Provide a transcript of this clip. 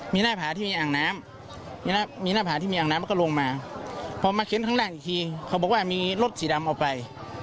มีหน้าผาที่มีอ่างน้ำมีหน้าผาที่มีอ่างน้ำมันก็ลงมาพอมาเค้นข้างล่างอีกทีเขาบอกว่ามีรถสีดำเอาไป